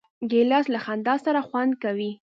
ګیلاس له خندا سره خوند کوي.